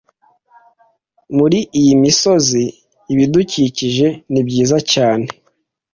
Muri iyi misozi, ibidukikije ni byiza cyane.